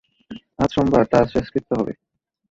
আজ সোমবার তাঁর শেষকৃত্য হবে।